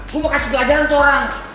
gue mau kasih pelajaran ke orang